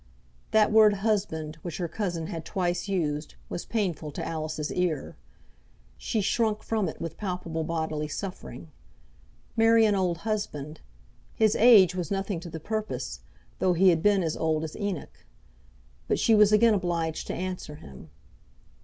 That word "husband," which her cousin had twice used, was painful to Alice's ear. She shrunk from it with palpable bodily suffering. Marry an old husband! His age was nothing to the purpose, though he had been as old as Enoch. But she was again obliged to answer him.